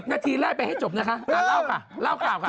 นาทีไล่ไปให้จบนะคะเล่าค่ะเล่าข่าวค่ะ